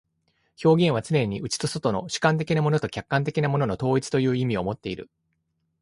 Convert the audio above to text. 表現はつねに内と外との、主観的なものと客観的なものとの統一という意味をもっている。